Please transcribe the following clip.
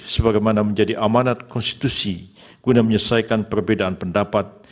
sebagaimana menjadi amanat konstitusi guna menyelesaikan perbedaan pendapat